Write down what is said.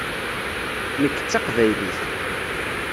Nekk d taqbaylit.